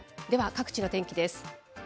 では各地の天気です。